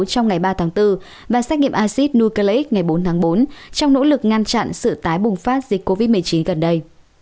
trong ngày ba tháng bốn và xét nghiệm acid nucleic ngày bốn tháng bốn trong nỗ lực ngăn chặn sự tái bùng phát dịch covid một mươi chín gần đây